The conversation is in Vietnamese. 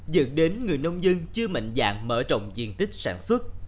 dẫn đến người nông dân chưa mạnh dạng mở rộng diện tích sản xuất